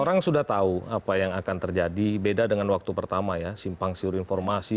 orang sudah tahu apa yang akan terjadi beda dengan waktu pertama ya simpang siur informasi